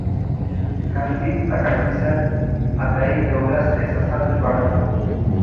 کانديد اکاډميسن عطایي د ولس د احساساتو ژباړن و.